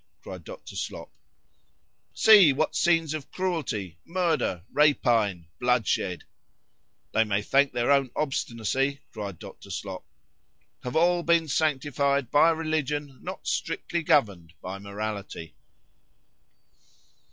cried Dr. Slop]—"see what scenes of cruelty, murder, rapine, bloodshed,"——[They may thank their own obstinacy, cried Dr. Slop]——have all been sanctified by a religion not strictly governed by morality.